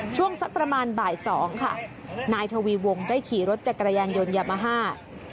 ช่วงสักประมาณบ่ายสองค่ะนายทวีวงได้ขี่รถจักรยานยนต์ยามาฮ่า